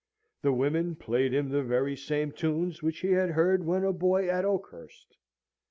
The women played him the very same tunes which he had heard when a boy at Oakhurst.